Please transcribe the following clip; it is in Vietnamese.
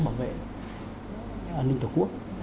bảo vệ an ninh tổ quốc